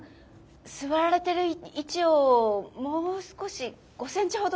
座られてる位置をもう少し５センチほどご自分の左に。